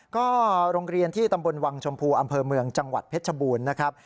ก็โรงเรียนที่ตำบลวังชมพูอำเภอเมืองจังหวัดเพชรชบูรณ์นะครับ